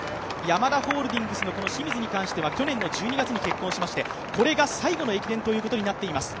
ヤマダホールディングスの清水に関しては去年１２月に結婚しましてこれが最後の駅伝となっています。